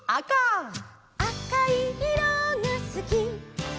「あおいいろがすき」